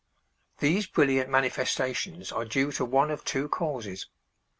These brilliant manifestations are due to one of two causes.